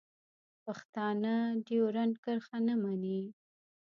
پښتانه ډیورنډ کرښه نه مني.